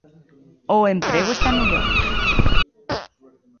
O emprego está mellor.